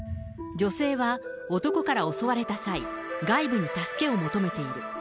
女性は、男から襲われた際、外部に助けを求めている。